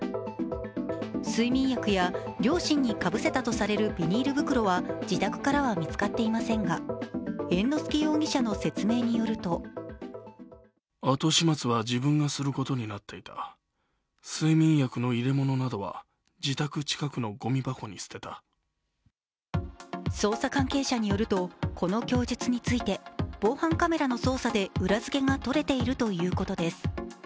睡眠薬や両親にかぶせたとされるビニール袋は自宅からは見つかっていませんが、猿之助容疑者の説明によると捜査関係者によるとこの供述について防犯カメラの捜査で裏付けがとれているということです。